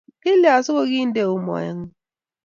Kilyan siku kikintoitu moet ng'ung'